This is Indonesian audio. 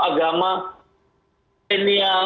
semua yang influencer harus dikerahkan